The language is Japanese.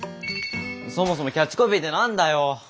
そもそもキャッチコピーって何だよ！？